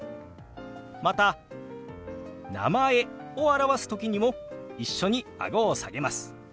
また「名前」を表す時にも一緒にあごを下げます。